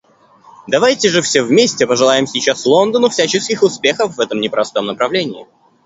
Давайте же все вместе пожелаем сейчас Лондону всяческих успехов в этом непростом начинании.